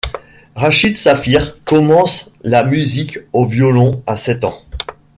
Rachid Safir commence la musique au violon à sept ans.